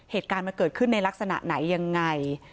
เหตุการณ์มันเกิดขึ้นในลักษณะไหนยังไง